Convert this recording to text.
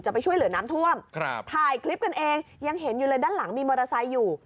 ไปช่วยเหลือน้ำท่วมครับถ่ายคลิปกันเองยังเห็นอยู่เลยด้านหลังมีมอเตอร์ไซค์อยู่